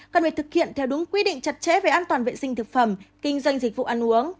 cần phải thực hiện theo đúng quy định chặt chẽ về an toàn vệ sinh thực phẩm kinh doanh dịch vụ ăn uống